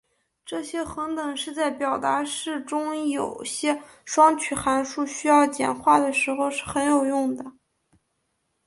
这些恒等式在表达式中有些双曲函数需要简化的时候是很有用的。